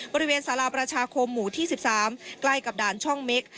บริเวณสาราประชาคมหมู่ที่๑๓ใกล้กับด่านช่องเม็ก